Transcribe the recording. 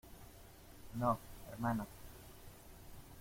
no, hermana.